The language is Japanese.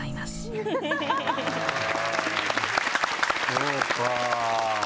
そうか。